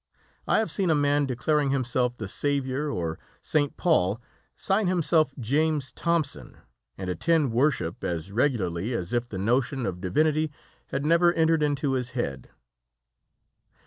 I have seen a man declaring himself the Saviour or St. Paul sign himself James Thomson, and attend worship as regularly as if the notion of divinity had never entered into his head."